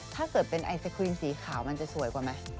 ถ้าเกิดเป็นไอศครีมสีขาวมันจะสวยกว่าไหม